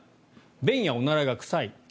便やおならが臭い。